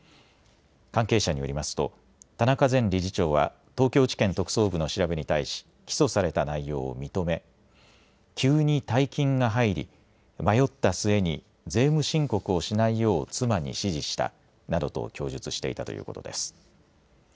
関係者によりますと田中前理事長は東京地検特捜部の調べに対し起訴された内容を認め急に大金が入り迷った末に税務申告をしないよう妻に指示したなどと供述していたということです。